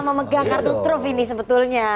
sama sama memegang kartu truf ini sebetulnya